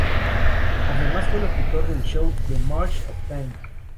Además fue locutor del show "The March of Time".